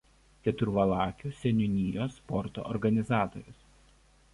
Keturvalakių seniūnijos sporto organizatorius.